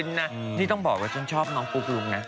นี่ต้องบอกว่าฉันชอบน้องปุ๊กลุ๊กนะ